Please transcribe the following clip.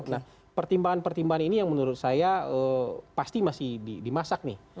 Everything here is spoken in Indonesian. nah pertimbangan pertimbangan ini yang menurut saya pasti masih dimasak nih